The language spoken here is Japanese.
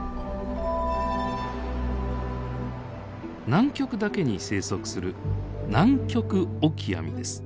南極だけに生息するナンキョクオキアミです。